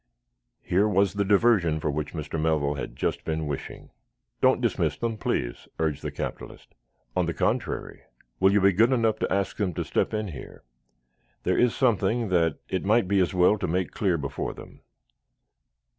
Here was the diversion for which Mr. Melville had just been wishing. "Don't dismiss them, please," urged the capitalist. "On the contrary, will you be good enough to ask them to step in here? There is something that it might be as well to make clear before them."